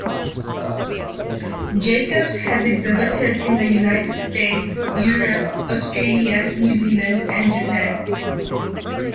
Jacobs has exhibited in the United States, Europe, Australia, New Zealand and Japan.